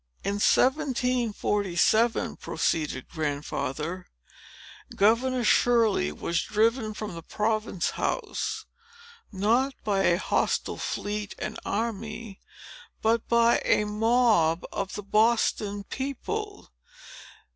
"In 1747," proceeded Grandfather, "Governor Shirley was driven from the Province House, not by a hostile fleet and army, but by a mob of the Boston people.